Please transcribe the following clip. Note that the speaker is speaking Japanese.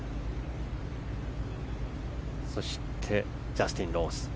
そしてジャスティン・ローズ。